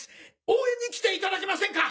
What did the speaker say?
応援に来ていただけませんか？